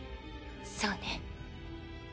そうね。